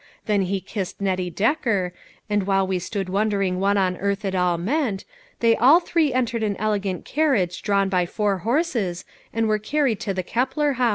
Then he kissed Nettie Decker, and while we stood wondering what on earth it all meant, they all three entered an elegant carriage drawn by four horses, and were carried to the Keppler House.